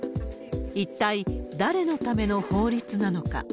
一体誰のための法律なのか。